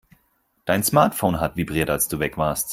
Dein Smartphone hat vibriert, als du weg warst.